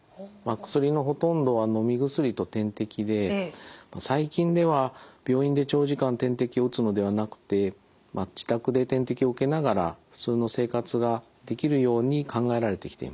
薬のほとんどはのみ薬と点滴で最近では病院で長時間点滴を打つのではなくて自宅で点滴を受けながら普通の生活ができるように考えられてきています。